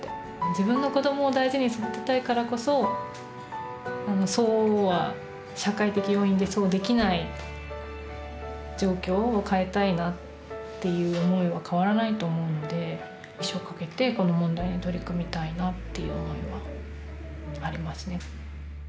自分の子どもを大事に育てたいからこそそうは社会的要因でそうできない状況を変えたいなっていう思いは変わらないと思うんで一生かけてこの問題に取り組みたいなっていう思いはありますね。